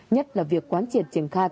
nhất là việc quán triệt triển khai